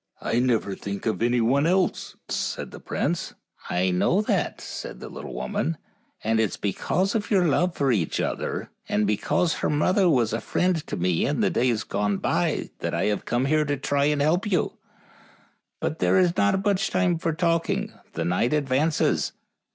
" I never think of anyone else," said the prince. " I know that," said the little woman, " and it's because of your love for each other, and be THE ENCHANTED CAVE 61 cause her mother was a friend to me in the days gone by, that I have come here to try and help you ; but there is not much time for talking, the night advances.